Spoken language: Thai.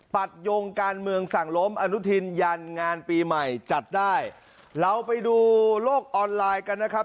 ยงการเมืองสั่งล้มอนุทินยันงานปีใหม่จัดได้เราไปดูโลกออนไลน์กันนะครับ